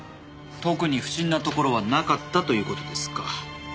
特に不審なところはなかったという事ですか。